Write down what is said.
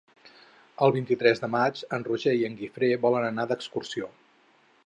El vint-i-tres de maig en Roger i en Guifré volen anar d'excursió.